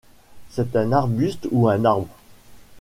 C'est un arbuste ou arbre.